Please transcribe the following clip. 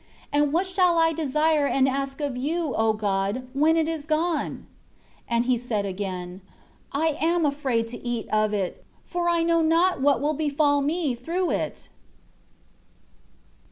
And what shall I desire and ask of you, O God, when it is gone?" 5 And he said again, "I am afraid to eat of it; for I know not what will befall me through it."